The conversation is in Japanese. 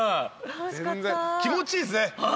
気持ちいいですね。